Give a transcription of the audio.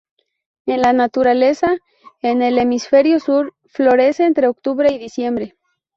En la naturaleza, en el hemisferio sur, florece entre octubre y diciembre.